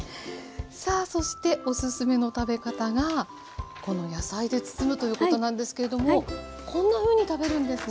さあそしてオススメの食べ方がこの野菜で包むということなんですけれどもこんなふうに食べるんですね。